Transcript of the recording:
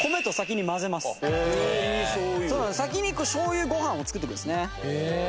先に醤油ご飯を作っておくんですね。